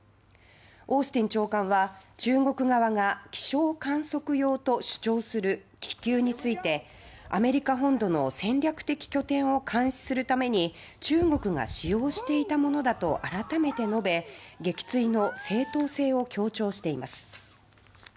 オースティン長官は中国側が気象観測用と主張する気球についてアメリカ本土の戦略的拠点を監視するために中国が使用していたものだと改めて述べ撃墜の正当性を強調しています。